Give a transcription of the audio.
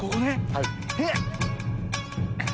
はい。